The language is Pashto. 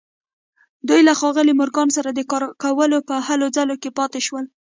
دوی له ښاغلي مورګان سره د کار کولو په هلو ځلو کې پاتې شول